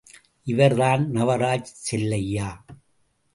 இவர்தான் நவராஜ் செல்லையா.